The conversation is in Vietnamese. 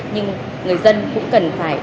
nhưng người dân cũng cần phải